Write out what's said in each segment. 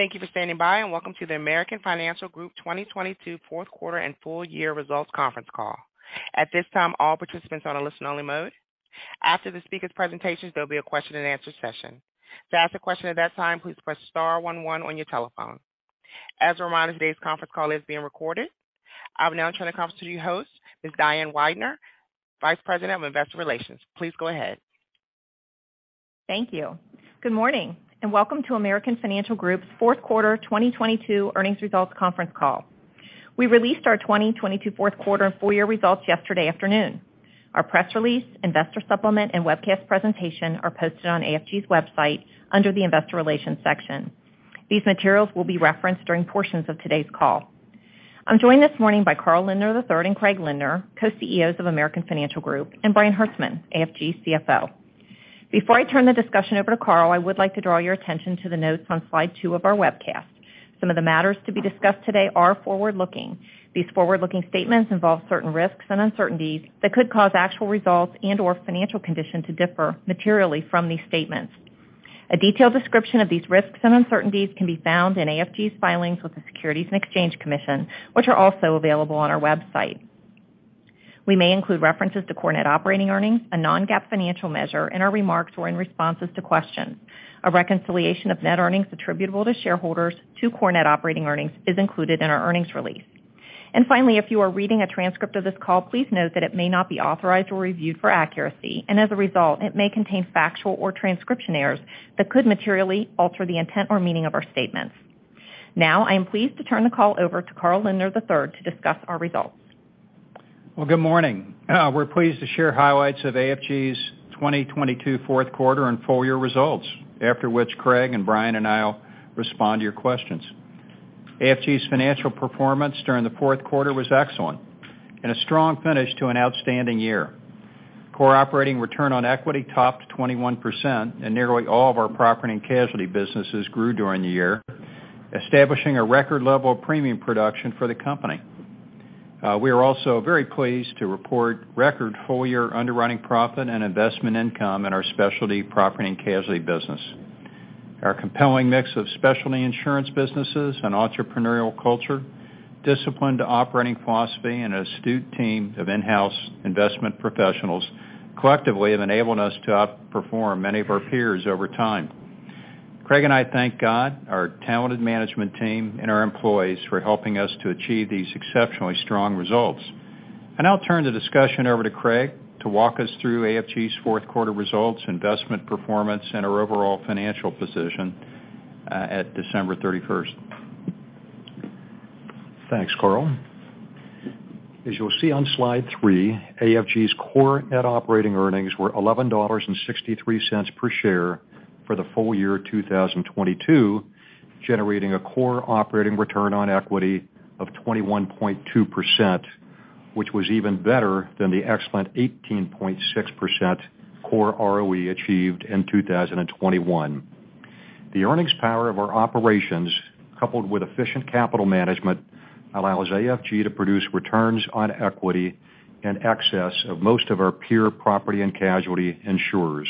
Thank you for standing by, welcome to the American Financial Group 2022 fourth quarter and full year results conference call. At this time, all participants are on a listen-only mode. After the speakers' presentations, there'll be a question-and-answer session. To ask a question at that time, please press star one one on your telephone. As a reminder, today's conference call is being recorded. I will now turn the conference to your host, Ms. Diane Weidner, Vice President of Investor Relations. Please go ahead. Thank you. Good morning, welcome to American Financial Group's fourth quarter 2022 earnings results conference call. We released our 2022 fourth quarter and full year results yesterday afternoon. Our press release, investor supplement, and webcast presentation are posted on AFG's website under the Investor Relations section. These materials will be referenced during portions of today's call. I'm joined this morning by Carl Lindner III and Craig Lindner, Co-CEOs of American Financial Group, and Brian Hertzman, AFG CFO. Before I turn the discussion over to Carl, I would like to draw your attention to the notes on slide two of our webcast. Some of the matters to be discussed today are forward-looking. These forward-looking statements involve certain risks and uncertainties that could cause actual results and/or financial conditions to differ materially from these statements. A detailed description of these risks and uncertainties can be found in AFG's filings with the Securities and Exchange Commission, which are also available on our website. We may include references to core net operating earnings, a non-GAAP financial measure, in our remarks or in responses to questions. A reconciliation of net earnings attributable to shareholders to core net operating earnings is included in our earnings release. Finally, if you are reading a transcript of this call, please note that it may not be authorized or reviewed for accuracy, and as a result, it may contain factual or transcription errors that could materially alter the intent or meaning of our statements. I am pleased to turn the call over to Carl Lindner III to discuss our results. Well, good morning. We're pleased to share highlights of AFG's 2022 fourth quarter and full year results, after which Craig and Brian and I will respond to your questions. AFG's financial performance during the fourth quarter was excellent and a strong finish to an outstanding year. core operating return on equity topped 21%, and nearly all of our property and casualty businesses grew during the year, establishing a record level of premium production for the company. We are also very pleased to report record full year underwriting profit and investment income in our Specialty Property and Casualty business. Our compelling mix of specialty insurance businesses and entrepreneurial culture, disciplined operating philosophy, and astute team of in-house investment professionals collectively have enabled us to outperform many of our peers over time. Craig and I thank God, our talented management team, and our employees for helping us to achieve these exceptionally strong results. I now turn the discussion over to Craig to walk us through AFG's fourth quarter results, investment performance, and our overall financial position, at December 31st. Thanks, Carl. As you'll see on slide three, AFG's core net operating earnings were $11.63 per share for the full year 2022, generating a core operating return on equity of 21.2%, which was even better than the excellent 18.6% core ROE achieved in 2021. The earnings power of our operations, coupled with efficient capital management, allows AFG to produce returns on equity in excess of most of our peer property and casualty insurers.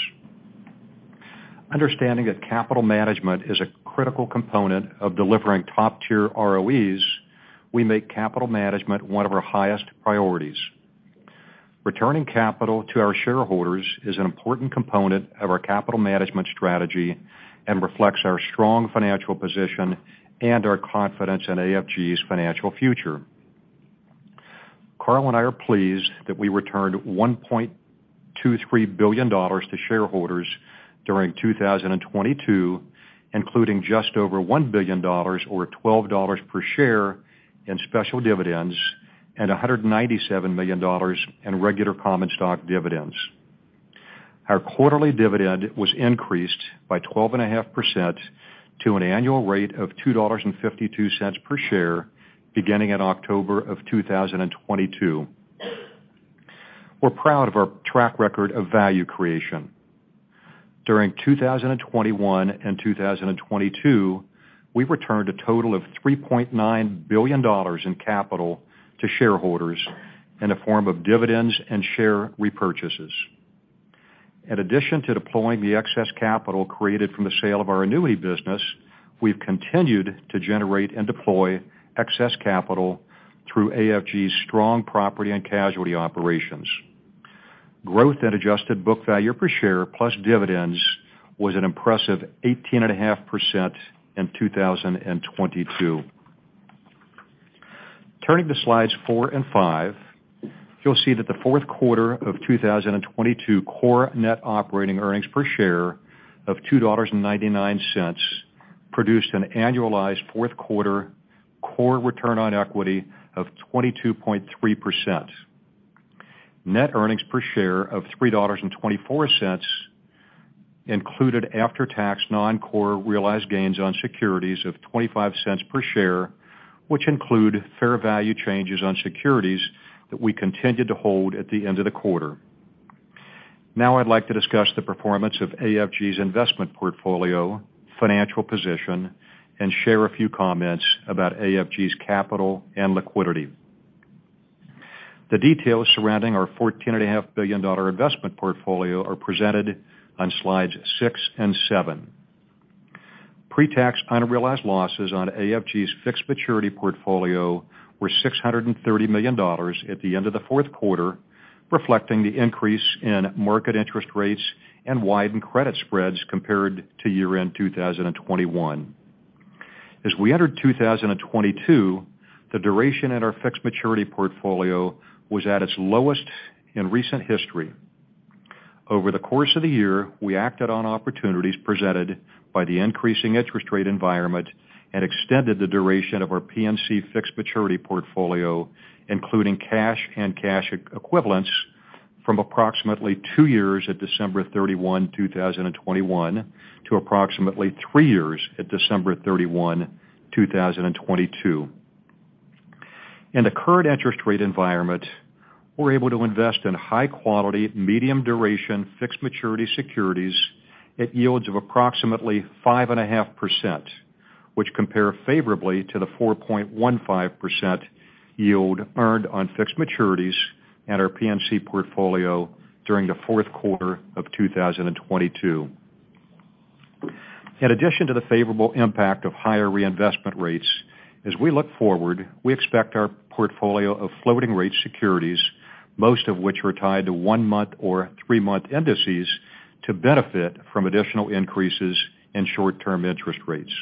Understanding that capital management is a critical component of delivering top-tier ROEs, we make capital management one of our highest priorities. Returning capital to our shareholders is an important component of our capital management strategy and reflects our strong financial position and our confidence in AFG's financial future. Carl and I are pleased that we returned $1.23 billion to shareholders during 2022, including just over $1 billion or $12 per share in special dividends and $197 million in regular common stock dividends. Our quarterly dividend was increased by 12.5% to an annual rate of $2.52 per share beginning in October of 2022. We're proud of our track record of value creation. During 2021 and 2022, we returned a total of $3.9 billion in capital to shareholders in the form of dividends and share repurchases. In addition to deploying the excess capital created from the sale of our annuity business, we've continued to generate and deploy excess capital through AFG's strong property and casualty operations. Growth at adjusted book value per share plus dividends was an impressive 18.5% in 2022. Turning to slides four and five, you'll see that the fourth quarter of 2022 core net operating earnings per share of $2.99 produced an annualized fourth quarter core return on equity of 22.3%. Net earnings per share of $3.24 included after-tax non-core realized gains on securities of $0.25 per share, which include fair value changes on securities that we continued to hold at the end of the quarter. I'd like to discuss the performance of AFG's investment portfolio, financial position, and share a few comments about AFG's capital and liquidity. The details surrounding our $14.5 billion investment portfolio are presented on slides six and seven. Pre-tax unrealized losses on AFG's Fixed Maturity Portfolio were $630 million at the end of the fourth quarter, reflecting the increase in market interest rates and widened credit spreads compared to year-end 2021. As we entered 2022, the duration at our Fixed Maturity Portfolio was at its lowest in recent history. Over the course of the year, we acted on opportunities presented by the increasing interest rate environment and extended the duration of our P&C Fixed Maturity Portfolio, including cash-and-cash equivalence, from approximately two years at December 31, 2021, to approximately three years at December 31, 2022. In the current interest rate environment, we're able to invest in high quality, medium duration, fixed maturity securities at yields of approximately 5.5%, which compare favorably to the 4.15% yield earned on fixed maturities at our P&C portfolio during the fourth quarter of 2022. In addition to the favorable impact of higher reinvestment rates, as we look forward, we expect our portfolio of Floating Rate Securities, most of which are tied to one-month or three-month indices, to benefit from additional increases in short-term interest rates.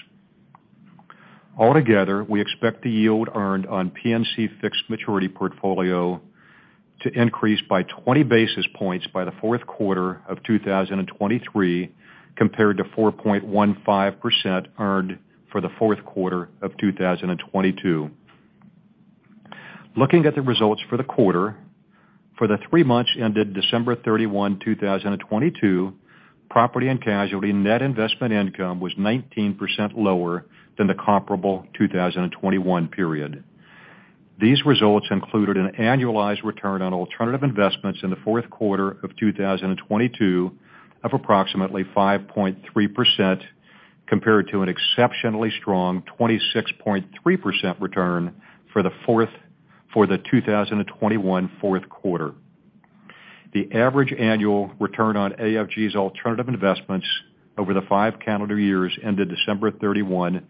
Altogether, we expect the yield earned on P&C Fixed Maturity Portfolio to increase by 20 basis points by the fourth quarter of 2023 compared to 4.15% earned for the fourth quarter of 2022. Looking at the results for the quarter, for the three months ended December 31, 2022, Property and Casualty net investment income was 19% lower than the comparable 2021 period. These results included an annualized return on Alternative Investments in the fourth quarter of 2022 of approximately 5.3%, compared to an exceptionally strong 26.3% return for the 2021 fourth quarter. The average annual return on AFG's Alternative Investments over the five calendar years ended December 31,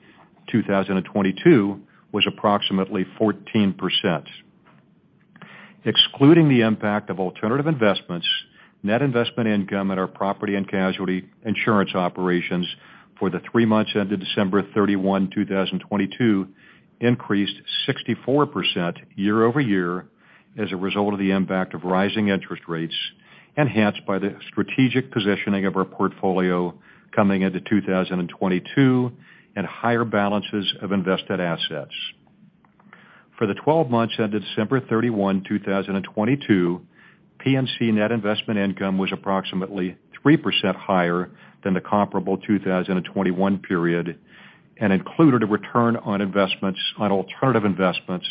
2022, was approximately 14%. Excluding the impact of Alternative Investments, net investment income at our property and casualty insurance operations for the three months ended December 31, 2022, increased 64% year-over-year as a result of the impact of rising interest rates, enhanced by the strategic positioning of our portfolio coming into 2022 and higher balances of invested assets. For the 12 months ended December 31, 2022, P&C net investment income was approximately 3% higher than the comparable 2021 period, included a return on Alternative Investments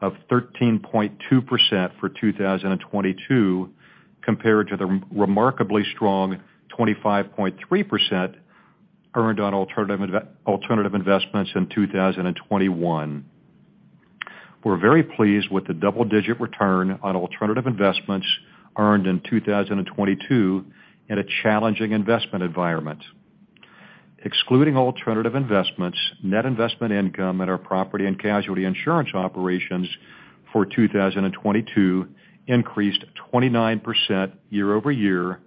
of 13.2% for 2022, compared to the remarkably strong 25.3% earned on Alternative Investments in 2021. We're very pleased with the double-digit return on Alternative Investments earned in 2022 in a challenging investment environment. Excluding Alternative Investments, net investment income at our property and casualty insurance operations for 2022 increased 29% year-over-year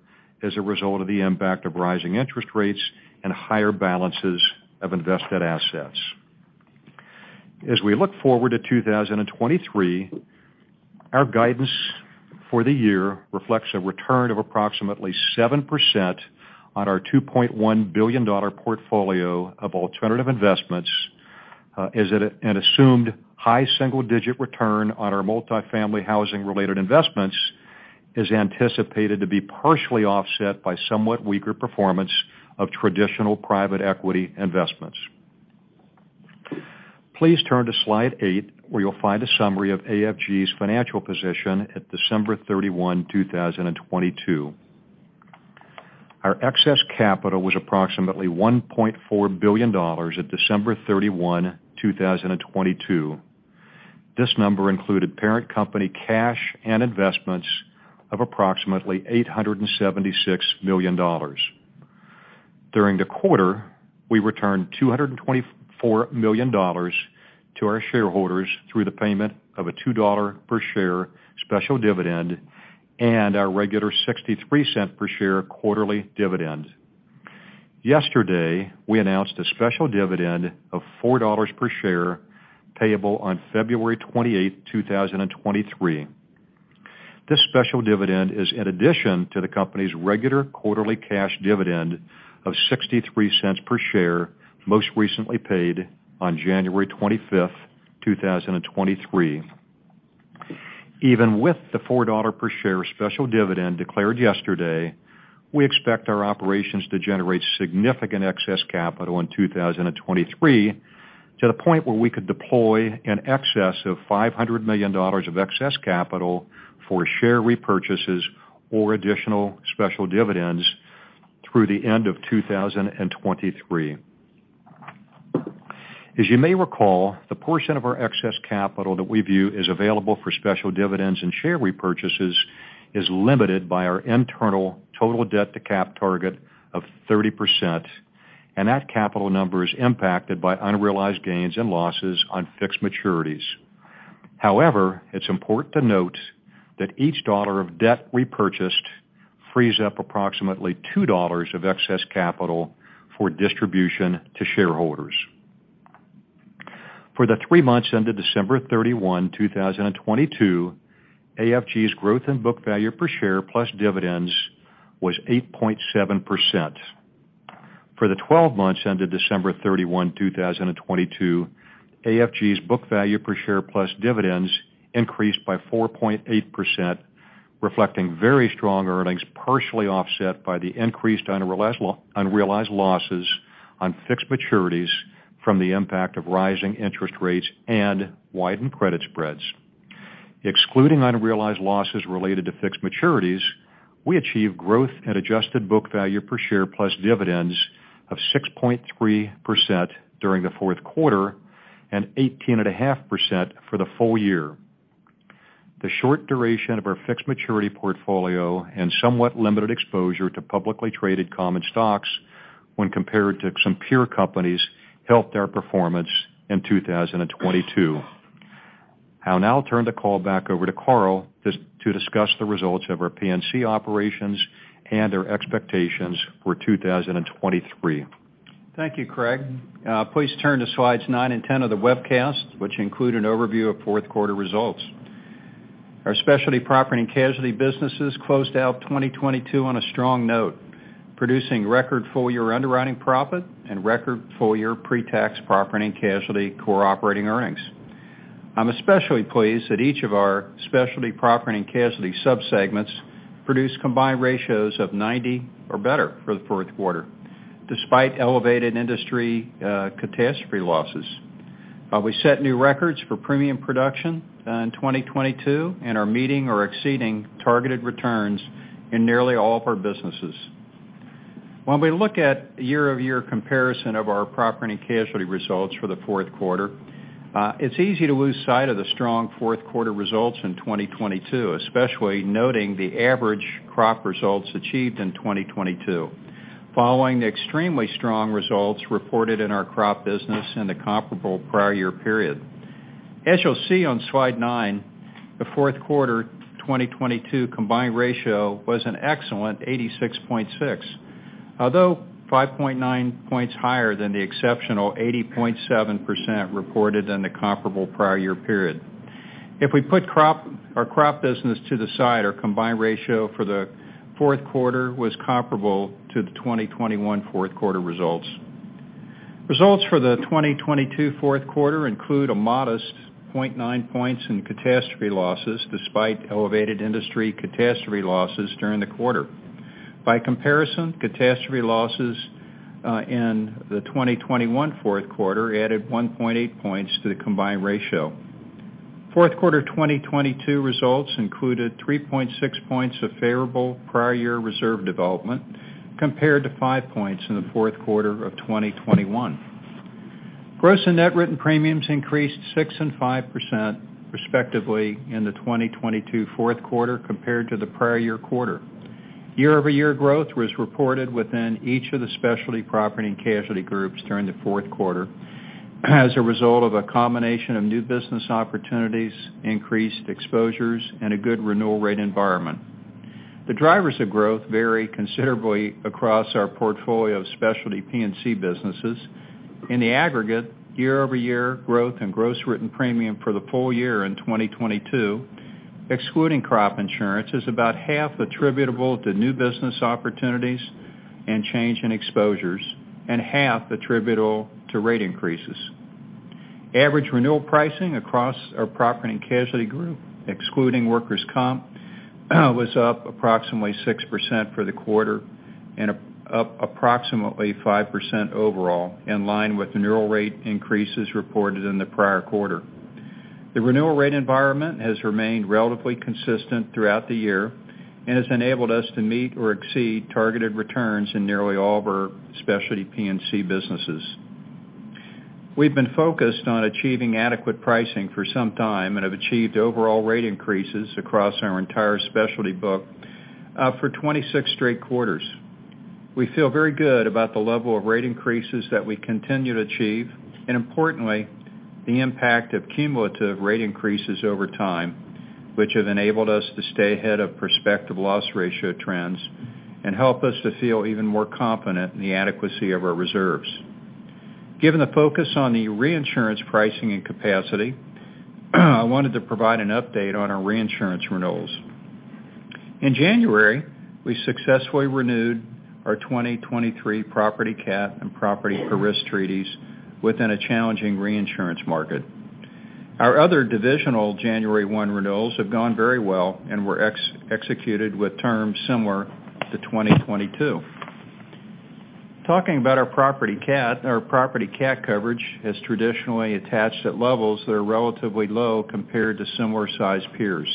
as a result of the impact of rising interest rates and higher balances of invested assets. As we look forward to 2023, our guidance for the year reflects a return of approximately 7% on our $2.1 billion portfolio of Alternative Investments, an assumed high single digit return on our multifamily housing related investments is anticipated to be partially offset by somewhat weaker performance of traditional private equity investments. Please turn to slide eight, where you'll find a summary of AFG's financial position at December 31, 2022. Our excess capital was approximately $1.4 billion at December 31, 2022. This number included parent company cash and investments of approximately $876 million. During the quarter, we returned $224 million to our shareholders through the payment of a $2 per share special dividend and our regular $0.63 per share quarterly dividend. Yesterday, we announced a special dividend of $4 per share payable on February 28, 2023. This special dividend is in addition to the company's regular quarterly cash dividend of $0.63 per share, most recently paid on January 25th, 2023. Even with the $4 per share special dividend declared yesterday, we expect our operations to generate significant excess capital in 2023 to the point where we could deploy an excess of $500 million of excess capital for share repurchases or additional special dividends through the end of 2023. As you may recall, the portion of our excess capital that we view is available for special dividends and share repurchases is limited by our internal total Debt to Cap target of 30%. That capital number is impacted by unrealized gains and losses on fixed maturities. However, it's important to note that each dollar of debt repurchased frees up approximately $2 of excess capital for distribution to shareholders. For the three months ended December 31, 2022, AFG's growth in book value per share plus dividends was 8.7%. For the 12 months ended December 31, 2022, AFG's book value per share plus dividends increased by 4.8%, reflecting very strong earnings, partially offset by the increased unrealized losses on fixed maturities from the impact of rising interest rates and widened credit spreads. Excluding unrealized losses related to fixed maturities, we achieved growth at adjusted book value per share plus dividends of 6.3% during the fourth quarter and 18.5% for the full year. The short duration of our Fixed Maturity Portfolio and somewhat limited exposure to publicly traded common stocks when compared to some peer companies helped our performance in 2022. I'll now turn the call back over to Carl to discuss the results of our P&C operations and our expectations for 2023. Thank you, Craig. Please turn to Slides nine and 10 of the webcast, which include an overview of fourth quarter results. Our Specialty Property and Casualty businesses closed out 2022 on a strong note, producing record full year underwriting profit and record full year pre-tax property and casualty core operating earnings. I'm especially pleased that each of our Specialty Property and Casualty sub-segments produced combined ratios of 90 or better for the fourth quarter, despite elevated industry catastrophe losses. We set new records for premium production in 2022 and are meeting or exceeding targeted returns in nearly all of our businesses. When we look at year-over-year comparison of our Property and Casualty results for the fourth quarter, it's easy to lose sight of the strong fourth quarter results in 2022, especially noting the average crop results achieved in 2022 following the extremely strong results reported in our crop business in the comparable prior year period. As you'll see on Slide nine, the fourth quarter 2022 combined ratio was an excellent 86.6%. Although 5.9 points higher than the exceptional 80.7% reported in the comparable prior year period. If we put our crop business to the side, our combined ratio for the fourth quarter was comparable to the 2021 fourth quarter results. Results for the 2022 fourth quarter include a modest 0.9 points in catastrophe losses despite elevated industry catastrophe losses during the quarter. By comparison, catastrophe losses in the 2021 fourth quarter added 1.8 points to the combined ratio. Fourth quarter 2022 results included 3.6 points of favorable prior year reserve development compared to 5 points in the fourth quarter of 2021. Gross and net written premiums increased 6% and 5% respectively in the 2022 fourth quarter compared to the prior year quarter. Year-over-year growth was reported within each of the Specialty Property and Casualty groups during the fourth quarter as a result of a combination of new business opportunities, increased exposures, and a good renewal rate environment. The drivers of growth vary considerably across our portfolio of Specialty P&C businesses. In the aggregate, year-over-year growth and gross written premium for the full year in 2022, excluding crop insurance, is about half attributable to new business opportunities and change in exposures, and half attributable to rate increases. Average renewal pricing across our Property and Casualty Group, excluding workers' comp, was up approximately 6% for the quarter and up approximately 5% overall, in line with the renewal rate increases reported in the prior quarter. The renewal rate environment has remained relatively consistent throughout the year and has enabled us to meet or exceed targeted returns in nearly all of our Specialty P&C businesses. We've been focused on achieving adequate pricing for some time and have achieved overall rate increases across our entire specialty book for 26 straight quarters. We feel very good about the level of rate increases that we continue to achieve, and importantly, the impact of cumulative rate increases over time, which have enabled us to stay ahead of prospective loss ratio trends and help us to feel even more confident in the adequacy of our reserves. Given the focus on the reinsurance pricing and capacity, I wanted to provide an update on our reinsurance renewals. In January, we successfully renewed our 2023 property cat and property per risk treaties within a challenging reinsurance market. Our other divisional January 1 renewals have gone very well and were executed with terms similar to 2022. Talking about our property cat, our property cat coverage has traditionally attached at levels that are relatively low compared to similar sized peers.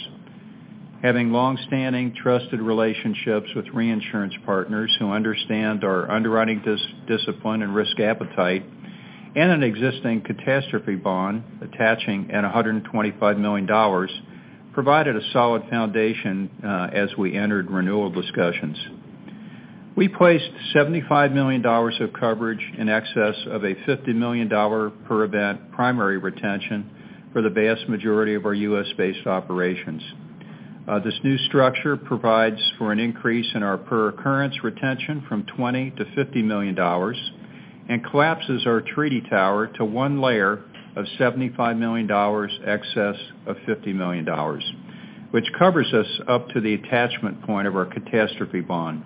Having long-standing trusted relationships with reinsurance partners who understand our underwriting discipline and risk appetite and an existing catastrophe bond attaching at $125 million provided a solid foundation as we entered renewal discussions. We placed $75 million of coverage in excess of a $50 million per event primary retention for the vast majority of our U.S.-based operations. This new structure provides for an increase in our per occurrence retention from $20 million-$50 million and collapses our treaty tower to one layer of $75 million excess of $50 million, which covers us up to the attachment point of our catastrophe bond.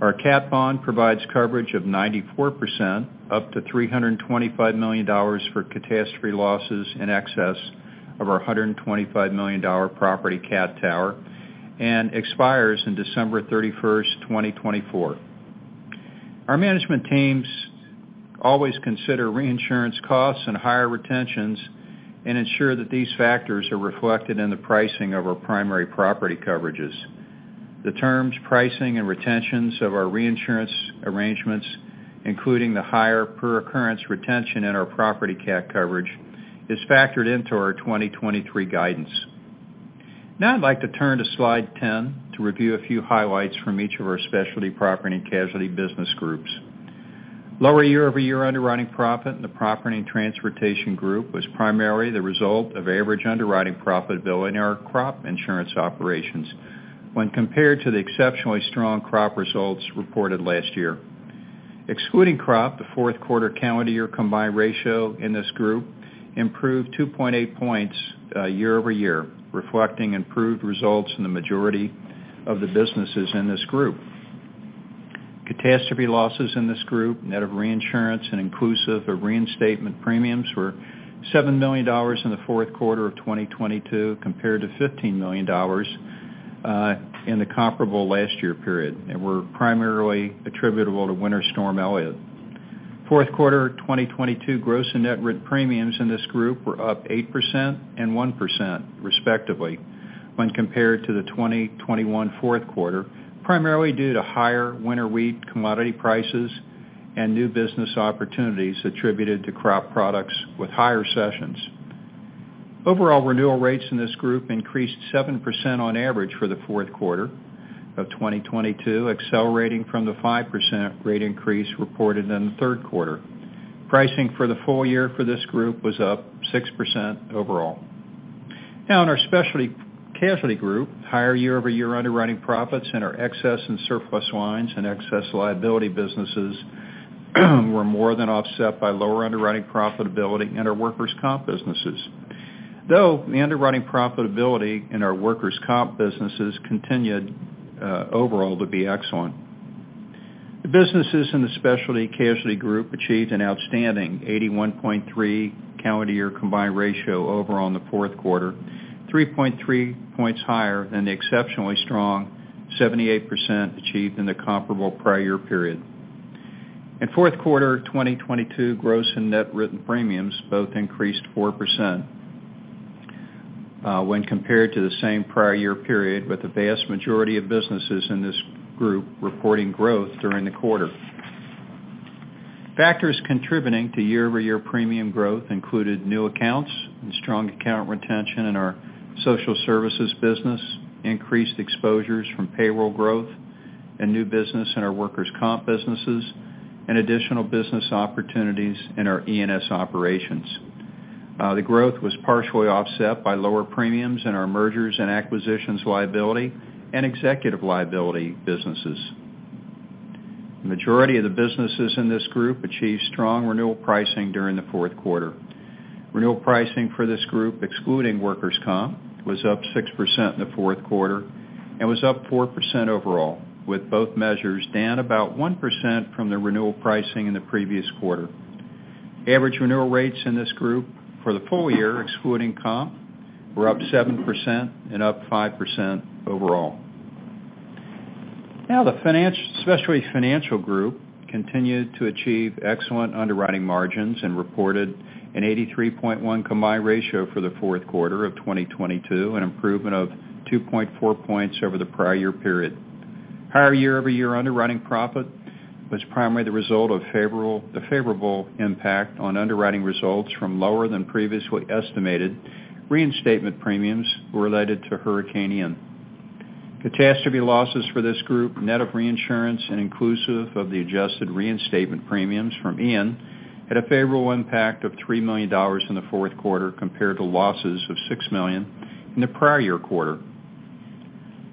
Our cat bond provides coverage of 94% up to $325 million for catastrophe losses in excess of our $125 million property cat tower and expires in December 31st, 2024. Our management teams always consider reinsurance costs and higher retentions and ensure that these factors are reflected in the pricing of our primary property coverages. The terms, pricing, and retentions of our reinsurance arrangements, including the higher per occurrence retention in our property cat coverage, is factored into our 2023 guidance. I'd like to turn to slide 10 to review a few highlights from each of our Specialty Property and Casualty business groups. Lower year-over-year underwriting profit in the Property and Transportation Group was primarily the result of average underwriting profitability in our crop insurance operations when compared to the exceptionally strong crop results reported last year. Excluding crop, the fourth quarter calendar year combined ratio in this group improved 2.8 points year-over-year, reflecting improved results in the majority of the businesses in this group. Catastrophe losses in this group, net of reinsurance and inclusive of reinstatement premiums, were $7 million in the fourth quarter of 2022 compared to $15 million in the comparable last year period and were primarily attributable to Winter Storm Elliott. Fourth quarter 2022 gross and net written premiums in this group were up 8% and 1% respectively when compared to the 2021 fourth quarter, primarily due to higher winter wheat commodity prices and new business opportunities attributed to crop products with higher cessions. Overall renewal rates in this group increased 7% on average for the fourth quarter of 2022, accelerating from the 5% rate increase reported in the third quarter. Pricing for the full year for this group was up 6% overall. In our Specialty Casualty Group, higher year-over-year underwriting profits in our excess and surplus lines and excess liability businesses were more than offset by lower underwriting profitability in our workers' comp businesses, though the underwriting profitability in our workers' comp businesses continued overall to be excellent. The businesses in the Specialty Casualty Group achieved an outstanding 81.3 calendar year combined ratio over on the fourth quarter, 3.3 points higher than the exceptionally strong 78% achieved in the comparable prior year period. In fourth quarter 2022, gross and net written premiums both increased 4% when compared to the same prior year period, with the vast majority of businesses in this group reporting growth during the quarter. Factors contributing to year-over-year premium growth included new accounts and strong account retention in our social services business, increased exposures from payroll growth and new business in our workers' comp businesses, and additional business opportunities in our E&S operations. The growth was partially offset by lower premiums in our mergers and acquisitions liability and executive liability businesses. The majority of the businesses in this group achieved strong renewal pricing during the fourth quarter. Renewal pricing for this group, excluding workers' comp, was up 6% in the fourth quarter and was up 4% overall, with both measures down about 1% from the renewal pricing in the previous quarter. Average renewal rates in this group for the full year, excluding comp, were up 7% and up 5% overall. Specialty Financial Group continued to achieve excellent underwriting margins and reported an 83.1 combined ratio for the fourth quarter of 2022, an improvement of 2.4 points over the prior year period. Higher year-over-year underwriting profit was primarily the result of the favorable impact on underwriting results from lower than previously estimated reinstatement premiums related to Hurricane Ian. Catastrophe losses for this group, net of reinsurance and inclusive of the adjusted reinstatement premiums from Ian, had a favorable impact of $3 million in the fourth quarter compared to losses of $6 million in the prior year quarter.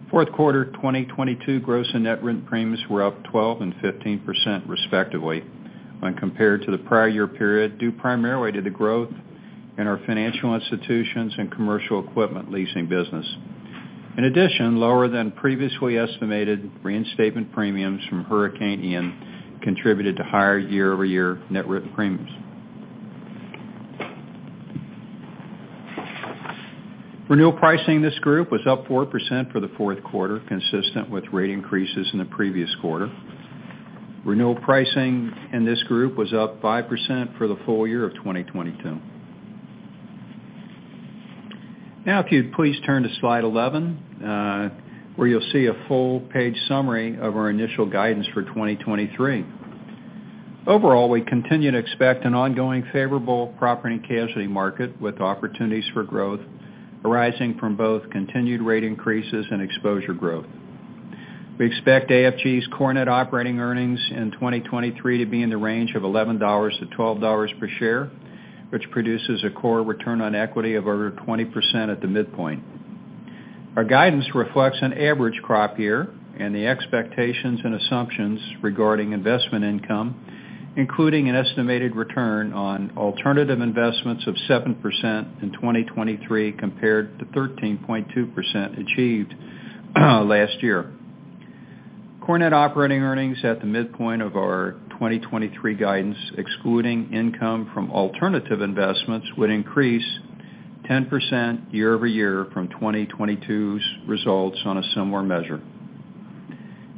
Fourth quarter 2022 gross and net written premiums were up 12% and 15% respectively when compared to the prior year period, due primarily to the growth in our financial institutions and commercial equipment leasing business. In addition, lower than previously estimated reinstatement premiums from Hurricane Ian contributed to higher year-over-year net written premiums. Renewal pricing in this group was up 4% for the fourth quarter, consistent with rate increases in the previous quarter. Renewal pricing in this group was up 5% for the full year of 2022. Now, if you'd please turn to slide 11, where you'll see a full-page summary of our initial guidance for 2023. Overall, we continue to expect an ongoing favorable property and casualty market with opportunities for growth arising from both continued rate increases and exposure growth. We expect AFG's core net operating earnings in 2023 to be in the range of $11-$12 per share, which produces a core operating return on equity of over 20% at the midpoint. Our guidance reflects an average crop year and the expectations and assumptions regarding investment income, including an estimated return on Alternative Investments of 7% in 2023 compared to 13.2% achieved last year. Core net operating earnings at the midpoint of our 2023 guidance, excluding income from Alternative Investments, would increase 10% year-over-year from 2022's results on a similar measure.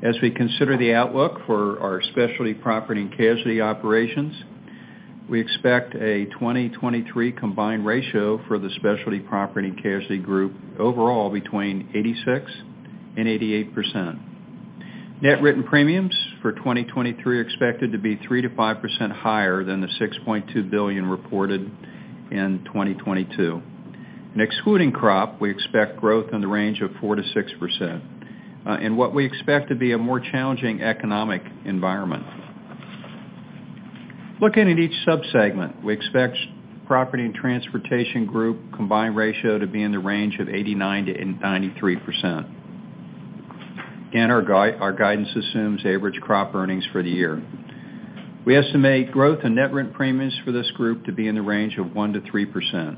As we consider the outlook for our Specialty Property and Casualty operations, we expect a 2023 combined ratio for the Specialty Property and Casualty Group overall between 86% and 88%. Net written premiums for 2023 are expected to be 3%-5% higher than the $6.2 billion reported in 2022. Excluding crop, we expect growth in the range of 4%-6% in what we expect to be a more challenging economic environment. Looking at each sub-segment, we expect Property and Transportation Group combined ratio to be in the range of 89%-93%. Again, our guidance assumes average crop earnings for the year. We estimate growth in net written premiums for this group to be in the range of 1%-3%.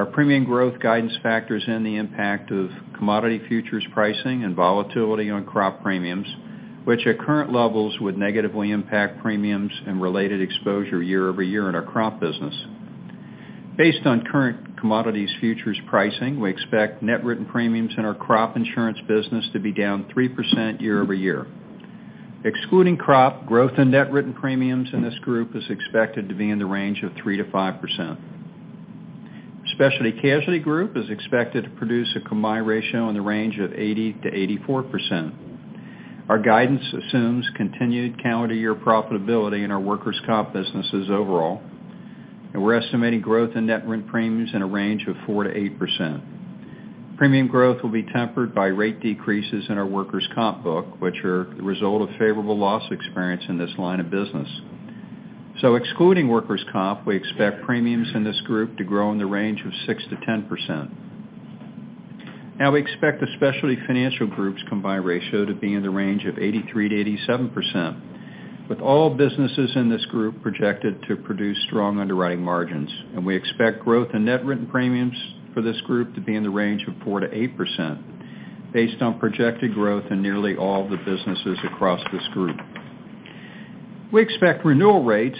Our premium growth guidance factors in the impact of commodity futures pricing and volatility on crop premiums, which at current levels would negatively impact premiums and related exposure year-over-year in our crop business. Based on current commodities futures pricing, we expect net written premiums in our crop insurance business to be down 3% year-over-year. Excluding crop, growth in net written premiums in this group is expected to be in the range of 3%-5%. Specialty Casualty Group is expected to produce a combined ratio in the range of 80%-84%. Our guidance assumes continued calendar year profitability in our workers' comp businesses overall, and we're estimating growth in net written premiums in a range of 4%-8%. Premium growth will be tempered by rate decreases in our workers' comp book, which are the result of favorable loss experience in this line of business. Excluding workers' comp, we expect premiums in this group to grow in the range of 6%-10%. Now we expect the Specialty Financial Group's combined ratio to be in the range of 83%-87%, with all businesses in this group projected to produce strong underwriting margins. We expect growth in net written premiums for this group to be in the range of 4%-8% based on projected growth in nearly all the businesses across this group. We expect renewal rates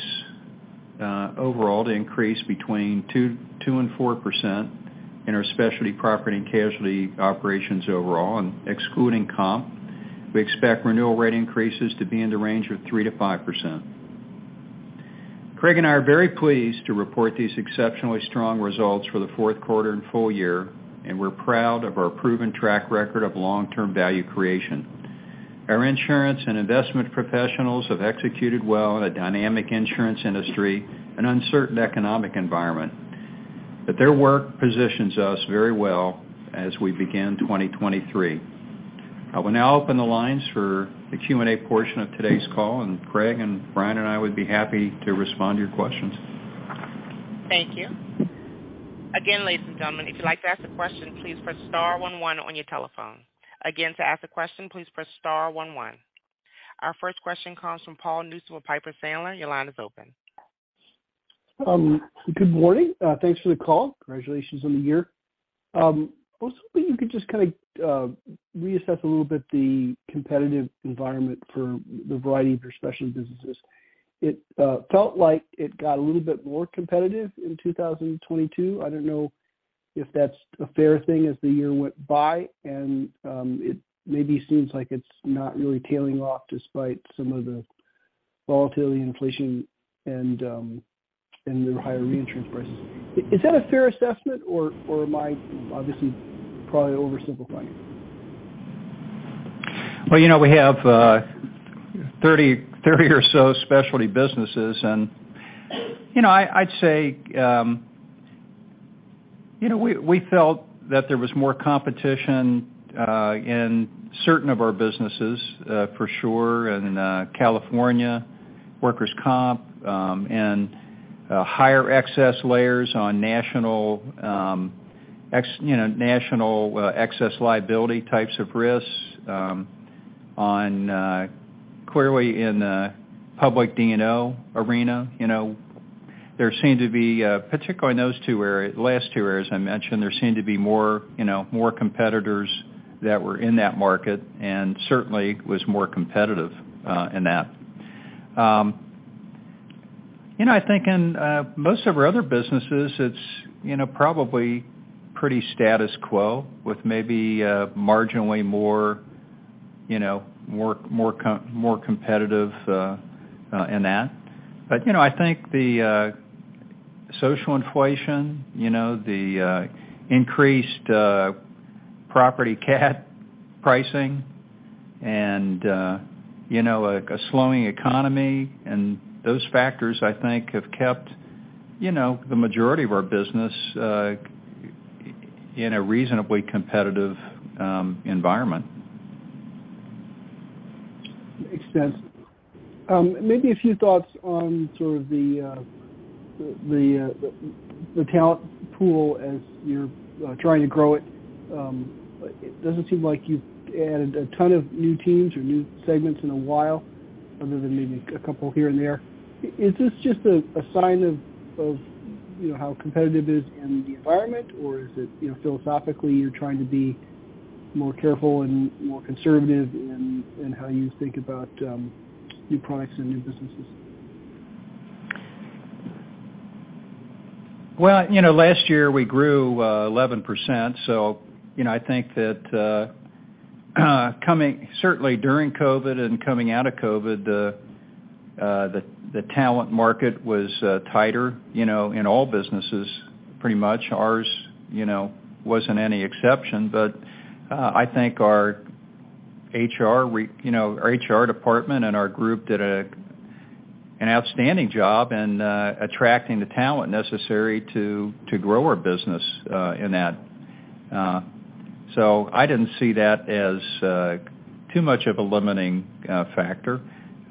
overall to increase between 2% and 4% in our Specialty Property and Casualty operations overall, and excluding comp, we expect renewal rate increases to be in the range of 3%-5%. Craig and I are very pleased to report these exceptionally strong results for the fourth quarter and full year. We're proud of our proven track record of long-term value creation. Our insurance and investment professionals have executed well in a dynamic insurance industry and uncertain economic environment, but their work positions us very well as we begin 2023. I will now open the lines for the Q&A portion of today's call, and Craig and Brian and I would be happy to respond to your questions. Thank you. Again, ladies and gentlemen, if you'd like to ask a question, please press star one one on your telephone. Again, to ask a question, please press star one one. Our first question comes from Paul Newsome of Piper Sandler. Your line is open. Good morning. Thanks for the call. Congratulations on the year. I was hoping you could just kinda reassess a little bit the competitive environment for the variety of your specialty businesses. It felt like it got a little bit more competitive in 2022. I don't know if that's a fair thing as the year went by and it maybe seems like it's not really tailing off despite some of the volatility, inflation, and the higher reinsurance prices. Is that a fair assessment or am I obviously probably oversimplifying it? Well, you know, we have 30 or so specialty businesses and, you know, I'd say, you know, we felt that there was more competition in certain of our businesses, for sure in California workers' comp, and higher excess layers on national, you know, national excess liability types of risks, on clearly in the public D&O arena. There seemed to be, particularly in those two last two areas I mentioned, there seemed to be more, you know, competitors that were in that market and certainly it was more competitive in that. I think in most of our other businesses, it's, you know, probably pretty status quo with maybe marginally more, you know, competitive in that. You know, I think the social inflation, you know, the increased property cat pricing and, you know, a slowing economy and those factors I think have kept, you know, the majority of our business, in a reasonably competitive environment. Makes sense. Maybe a few thoughts on sort of the, the talent pool as you're trying to grow it. It doesn't seem like you've added a ton of new teams or new segments in a while, other than maybe a couple here and there. Is this just a sign of, you know, how competitive it is in the environment, or is it, you know, philosophically, you're trying to be more careful and more conservative in how you think about new products and new businesses? You know, last year, we grew 11%, so you know, I think that, certainly during COVID and coming out of COVID, the talent market was tighter, you know, in all businesses, pretty much. Ours, you know, wasn't any exception. I think our HR, you know, our HR department and our group did an outstanding job in attracting the talent necessary to grow our business in that. I didn't see that as too much of a limiting factor.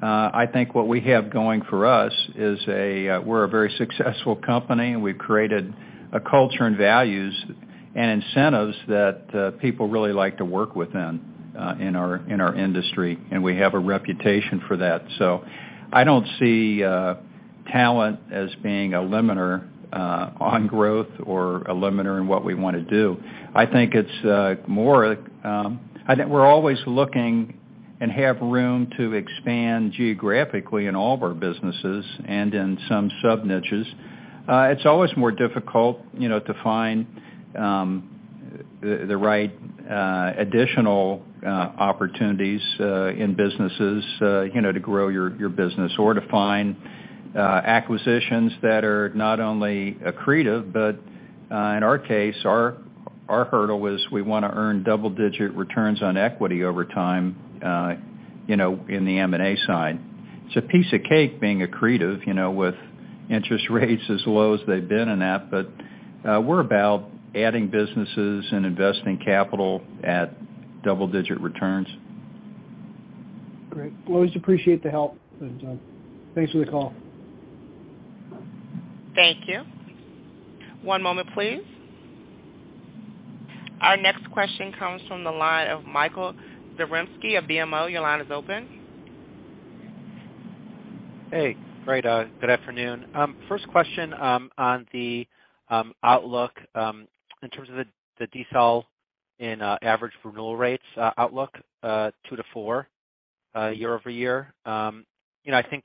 I think what we have going for us is a very successful company, and we've created a culture and values and incentives that people really like to work within in our industry, and we have a reputation for that. I don't see talent as being a limiter on growth or a limiter in what we wanna do. I think it's more... I think we're always looking and have room to expand geographically in all of our businesses and in some sub niches. It's always more difficult, you know, to find the right additional opportunities in businesses, you know, to grow your business or to find acquisitions that are not only accretive but in our case, our hurdle was we wanna earn double digit returns on equity over time, you know, in the M&A side. It's a piece of cake being accretive, you know, with interest rates as low as they've been and that, but we're about adding businesses and investing capital at double digit returns. Great. Always appreciate the help, Thanks for the call. Thank you. One moment please. Our next question comes from the line of Michael Zaremski of BMO. Your line is open. Hey. Great. Good afternoon. First question on the outlook in terms of the decel in average renewal rates outlook, 2%-4% year-over-year. You know, I think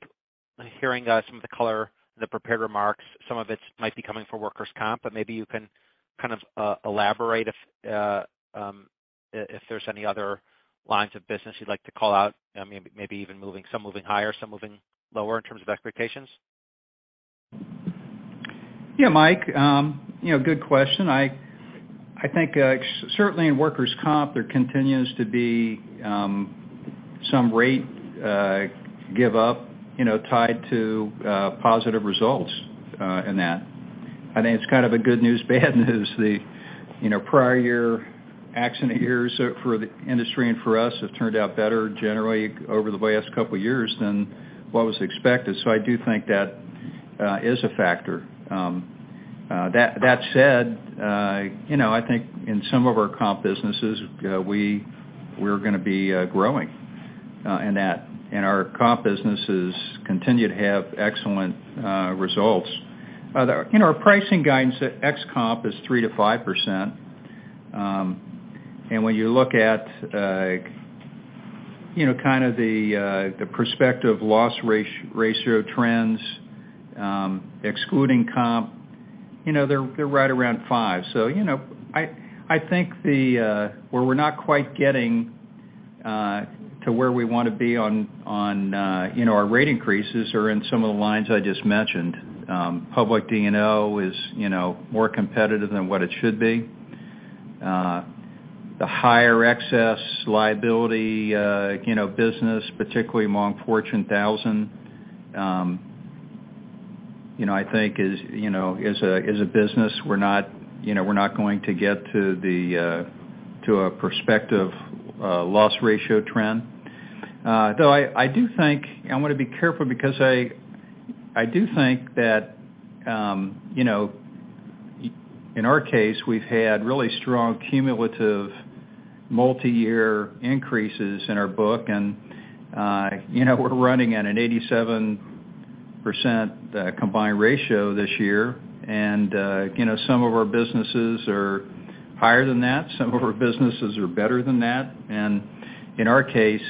hearing some of the color in the prepared remarks, some of it might be coming from workers' comp, but maybe you can kind of elaborate if there's any other lines of business you'd like to call out, maybe even moving, some moving higher, some moving lower in terms of expectations. Yeah, Mike, you know, good question. I think certainly in workers' comp, there continues to be some rate give up, you know, tied to positive results in that. I think it's kind of a good news, bad news. The, you know, prior year accident years for the industry and for us have turned out better generally over the last couple years than what was expected. I do think that is a factor. That said, you know, I think in some of our comp businesses, we're gonna be growing in that. Our comp businesses continue to have excellent results. You know, our pricing guidance at ex comp is 3%-5%. When you look at, you know, kind of the prospective loss ratio trends, excluding comp, you know, they're right around five. You know, I think the where we're not quite getting to where we wanna be on, you know, our rate increases are in some of the lines I just mentioned. Public D&O is, you know, more competitive than what it should be. The higher excess liability, you know, business, particularly among Fortune 1000, you know, I think is, you know, is a business we're not, you know, we're not going to get to the prospective loss ratio trend. Though I do think I want to be careful because I do think that, you know, in our case, we've had really strong cumulative multi-year increases in our book, and, you know, we're running at an 87% combined ratio this year. You know, some of our businesses are higher than that. Some of our businesses are better than that. In our case,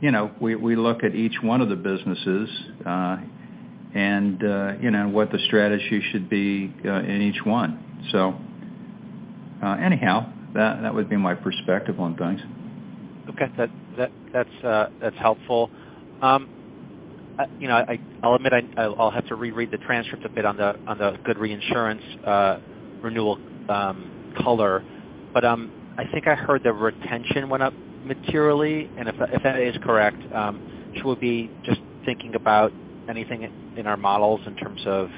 you know, we look at each one of the businesses, and, you know, what the strategy should be in each one. Anyhow, that would be my perspective on things. Okay. That's helpful. You know, I'll admit I'll have to reread the transcript a bit on the good reinsurance renewal color, but I think I heard the retention went up materially. If that is correct, should we be just thinking about anything in our models in terms of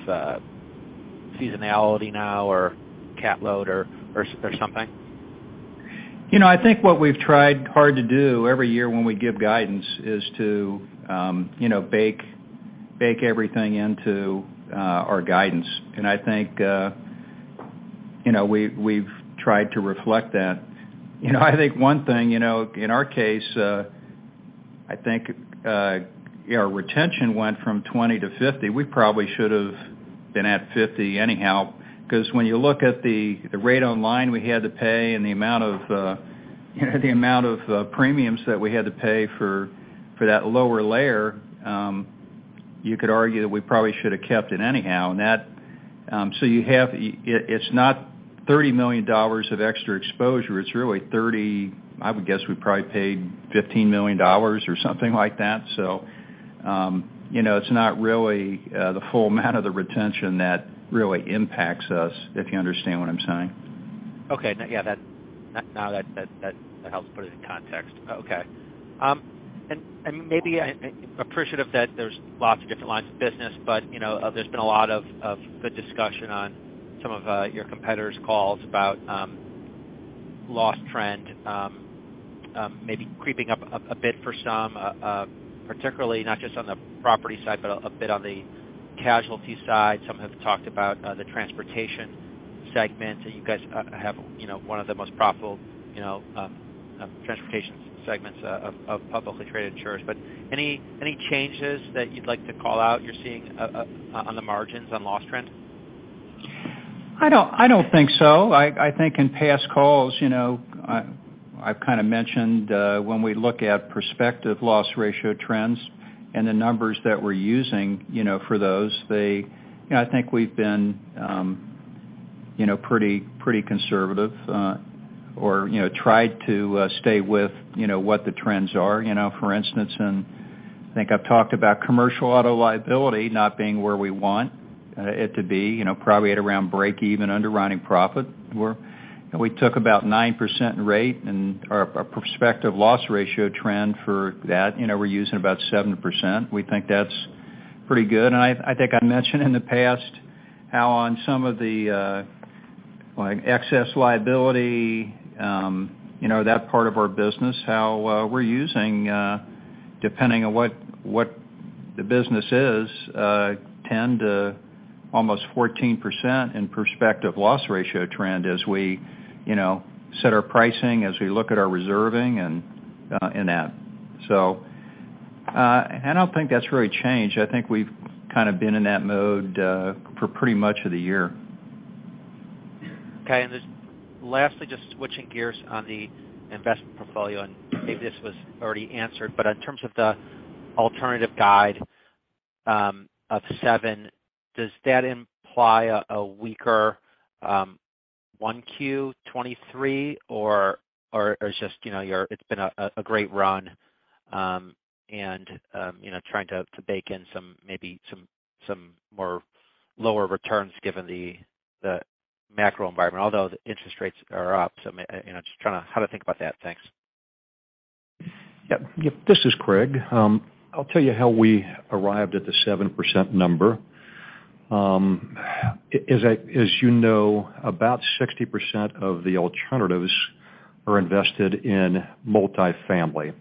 seasonality now or cat load or something? You know, I think what we've tried hard to do every year when we give guidance is to, you know, bake everything into our guidance. I think, you know, we've tried to reflect that. You know, I think one thing, you know, in our case, I think, yeah, our retention went from 20 to 50. We probably should have been at 50 anyhow, 'cause when you look at the rate on line we had to pay and the amount of, you know, premiums that we had to pay for that lower layer, you could argue that we probably should have kept it anyhow. So it's not $30 million of extra exposure, it's really I would guess we probably paid $15 million or something like that. You know, it's not really the full amount of the retention that really impacts us, if you understand what I'm saying. Okay. Yeah, that helps put it in context. Okay. Maybe Appreciative that there's lots of different lines of business, but, you know, there's been a lot of good discussion on some of your competitors' calls about loss trend, maybe creeping up a bit for some, particularly not just on the Property side, but a bit on the Casualty side. Some have talked about the Transportation Segment that you guys have, you know, one of the most profitable, you know, Transportation Segments of publicly traded insurers. Any changes that you'd like to call out you're seeing on the margins on loss trend? I don't think so. I think in past calls, you know, I've kind of mentioned, when we look at prospective loss ratio trends and the numbers that we're using, you know, for those. You know, I think we've been, you know, pretty conservative, or, you know, tried to stay with, you know, what the trends are. You know, for instance, and I think I've talked about commercial auto liability not being where we want, it to be, you know, probably at around breakeven underwriting profit. We took about 9% rate and our prospective loss ratio trend for that, you know, we're using about 7%. We think that's pretty good. I think I mentioned in the past how on some of the, like excess liability, you know, that part of our business, how we're using, depending on what the business is, 10% to almost 14% in prospective loss ratio trend as we, you know, set our pricing, as we look at our reserving and in that. I don't think that's really changed. I think we've kind of been in that mode for pretty much of the year. Okay. Just lastly, just switching gears on the investment portfolio, and maybe this was already answered, but in terms of the alternative guide, of even, does that imply a weaker, 1Q 2023 or just, you know, it's been a great run, and, you know, trying to bake in some, maybe some more lower returns given the macro environment, although the interest rates are up. You know, just trying how to think about that. Thanks. Yep. This is Craig. I'll tell you how we arrived at the 7% number. As you know, about 60% of the Alternatives are invested in Multifamily.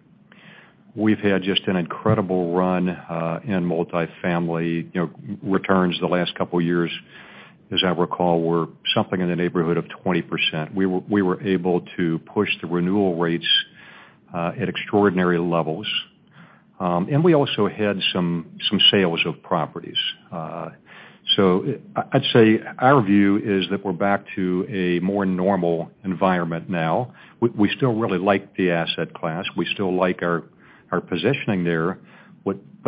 We've had just an incredible run in Multifamily. You know, returns the last couple of years, as I recall, were something in the neighborhood of 20%. We were able to push the renewal rates at extraordinary levels. We also had some sales of properties. I'd say our view is that we're back to a more normal environment now. We still really like the asset class. We still like our positioning there.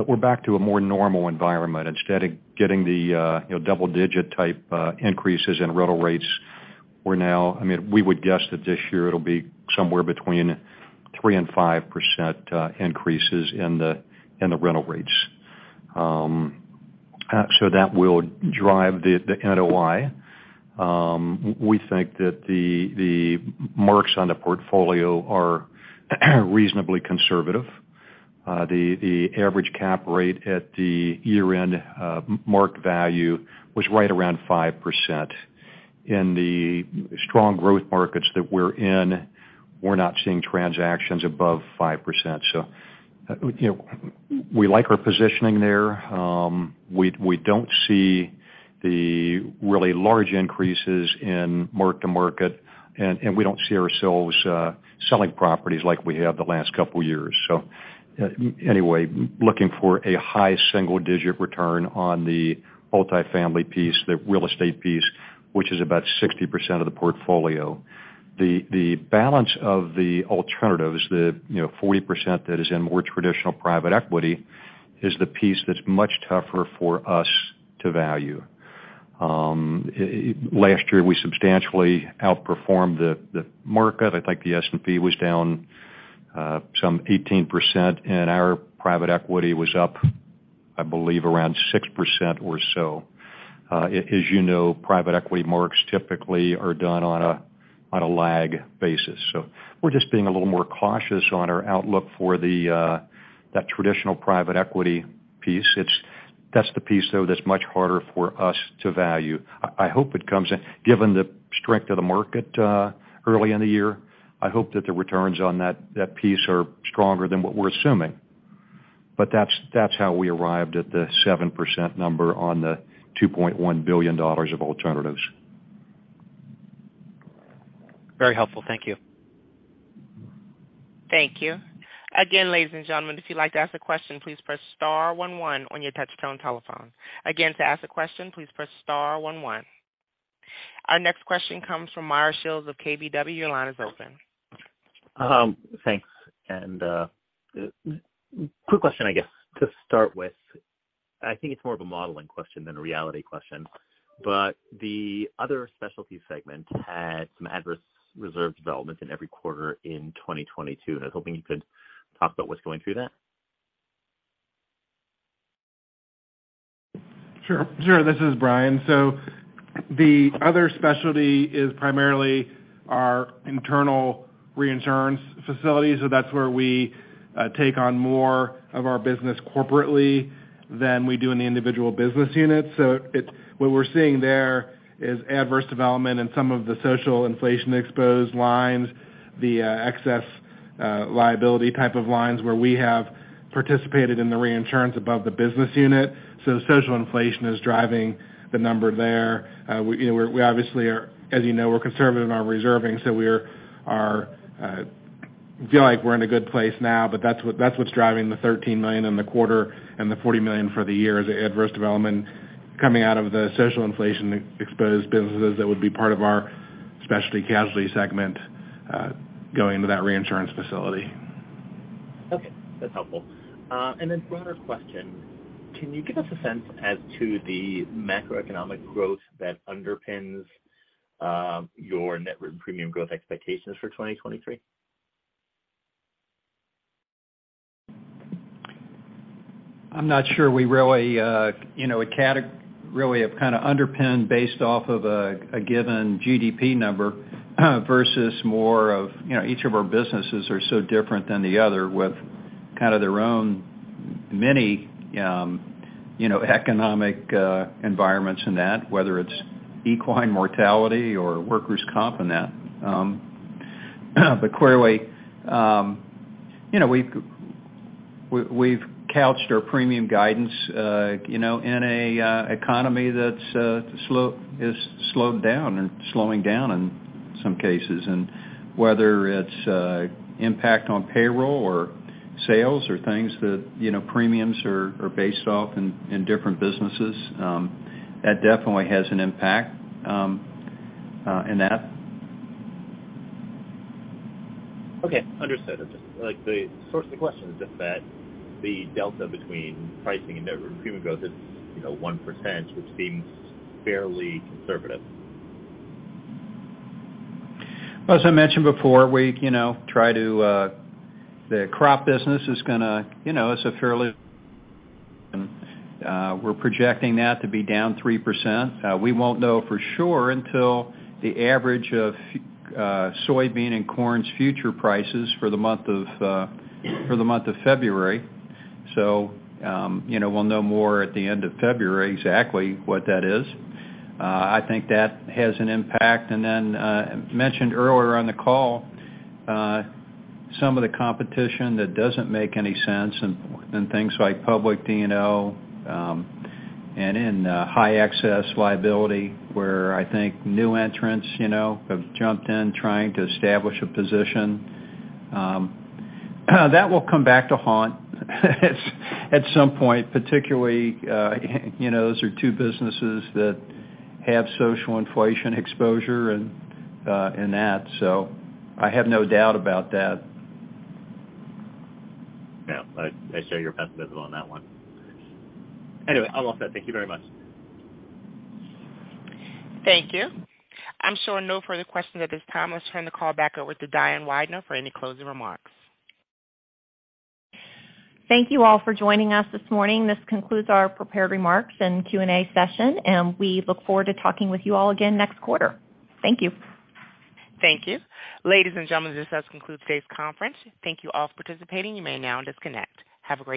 We're back to a more normal environment. Instead of getting the, you know, double-digit type increases in rental rates, I mean, we would guess that this year it'll be somewhere between 3% and 5% increases in the rental rates. That will drive the NOI. We think that the marks on the portfolio are reasonably conservative. The average cap rate at the year-end mark value was right around 5%. In the strong growth markets that we're in, we're not seeing transactions above 5%. You know, we like our positioning there. We don't see the really large increases in mark-to-market, and we don't see ourselves selling properties like we have the last couple of years. Anyway, looking for a high single-digit return on the multifamily piece, the real estate piece. Which is about 60% of the portfolio. The balance of the alternatives, you know, 40% that is in more traditional private equity is the piece that's much tougher for us to value. Last year, we substantially outperformed the market. I think the S&P was down, some 18% and our private equity was up, I believe, around 6% or so. As you know, private equity marks typically are done on a lag basis. We're just being a little more cautious on our outlook for that traditional private equity piece. That's the piece, though, that's much harder for us to value. I hope it comes in. Given the strength of the market, early in the year, I hope that the returns on that piece are stronger than what we're assuming. But that's how we arrived at the 7% number on the $2.1 billion of alternatives. Very helpful. Thank you. Thank you. Again, ladies and gentlemen, if you'd like to ask a question, please press star one one on your touchtone telephone. Again, to ask a question, please press star one one. Our next question comes from Meyer Shields of KBW. Your line is open. Thanks. Quick question, I guess, to start with. I think it's more of a modeling question than a reality question. The Other Specialty segment had some adverse reserve development in every quarter in 2022, and I was hoping you could talk about what's going through that. Sure. Sure. This is Brian. The Other Specialty is primarily our internal reinsurance facilities. That's where we take on more of our business corporately than we do in the individual business unit. What we're seeing there is adverse development in some of the social inflation exposed lines, the excess liability type of lines where we have participated in the reinsurance above the business unit. Social inflation is driving the number there. We, you know, we obviously as you know, we're conservative in our reserving, so we're feel like we're in a good place now. That's what's driving the $13 million in the quarter and the $40 million for the year is adverse development coming out of the social inflation exposed businesses that would be part of our Specialty Casualty segment, going into that reinsurance facility. Okay, that's helpful. One other question, can you give us a sense as to the macroeconomic growth that underpins, your net written premium growth expectations for 2023? I'm not sure we really, you know, really have kinda underpinned based off of a given GDP number versus more of, you know, each of our businesses are so different than the other with kind of their own many, you know, economic environments in that, whether it's equine mortality or workers' comp in that. Clearly, you know, we've couched our premium guidance, you know, in a economy that's is slowed down and slowing down in some cases. Whether it's impact on payroll or sales or things that, you know, premiums are based off in different businesses, that definitely has an impact in that. Okay, understood. Like, the source of the question is just that the delta between pricing and net written premium growth is, you know, 1%, which seems fairly conservative. As I mentioned before, we, you know, try to. The crop business is gonna, you know, it's a fairly. We're projecting that to be down 3%. We won't know for sure until the average of soybean and corn's future prices for the month of for the month of February. You know, we'll know more at the end of February exactly what that is. I think that has an impact. Then, mentioned earlier on the call, some of the competition that doesn't make any sense in things like public D&O, and in high excess liability, where I think new entrants, you know, have jumped in trying to establish a position. That will come back to haunt at some point, particularly, you know, those are two businesses that have social inflation exposure and, in that. I have no doubt about that. Yeah. I share your pessimism on that one. Anyway, I'll walk that. Thank you very much. Thank you. I'm showing no further questions at this time. Let's turn the call back over to Diane Weidner for any closing remarks. Thank you all for joining us this morning. This concludes our prepared remarks and Q&A session, and we look forward to talking with you all again next quarter. Thank you. Thank you. Ladies and gentlemen, this does conclude today's conference. Thank you all for participating. You may now disconnect. Have a great day.